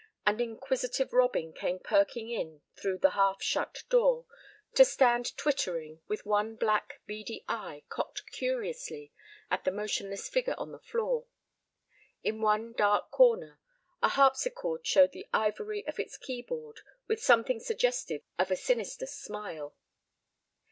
An inquisitive robin came perking in through the half shut door, to stand twittering with one black, beady eye cocked curiously at the motionless figure on the floor. In one dark corner a harpsichord showed the ivory of its key board with something suggestive of a sinister smile.